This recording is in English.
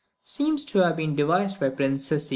seems to have been devised by Prince Cesi.